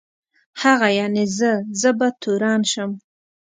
هغه یعني زه، زه به تورن شم.